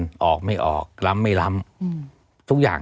ล้อมก็ต้องไปผิดออกรำไม่รำ